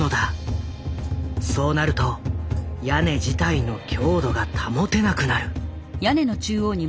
そうなると屋根自体の強度が保てなくなる。